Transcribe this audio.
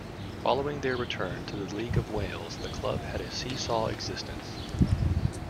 Following their return to the League of Wales the club had a see-saw existence.